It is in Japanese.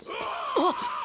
あっ！